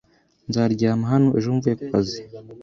Nzaryama hano ejo mvuye ku kazi .